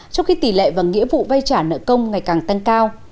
trong khi tỷ lệ và nghĩa vụ vay trả nợ công ngày càng tăng cao